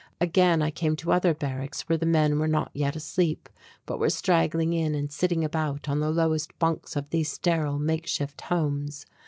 Again I came to other barracks where the men were not yet asleep but were straggling in and sitting about on the lowest bunks of these sterile makeshift homes.